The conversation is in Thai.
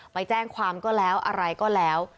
ไปแจ้งความก็แล้วอะไรก็แล้ว